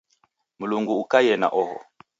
Mlungu ukaiye na oho.